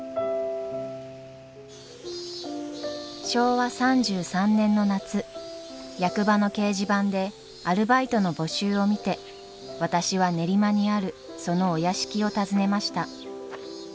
昭和３３年の夏役場の掲示板でアルバイトの募集を見て私は練馬にあるそのお屋敷を訪ねました